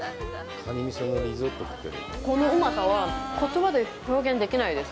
このうまさは言葉で表現できないです！